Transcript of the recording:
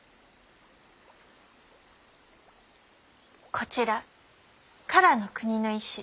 こちら唐の国の医師